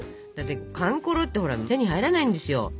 だってかんころってほら手に入らないんですよ。